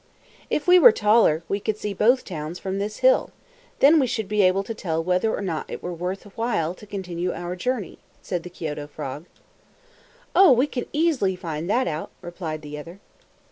"If we were taller, we could see both towns from this hill. Then we should be able to tell whether or not it were worth while to continue our journey," said the Kioto frog. "Oh, we can easily find that out!" replied the other.